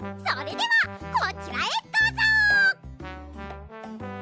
それではこちらへどうぞ！